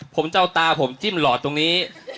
ผมจะเอาตาผมจิ้มหลอดตรงนี้